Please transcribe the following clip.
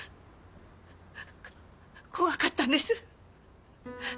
怖かったんです！